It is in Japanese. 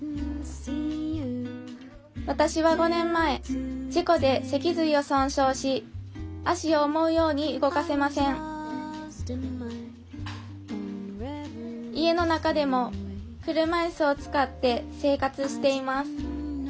私は５年前事故で脊髄を損傷し足を思うように動かせません家の中でも車いすを使って生活しています